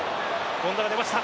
権田が出ました。